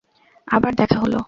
আবার দেখা হলো।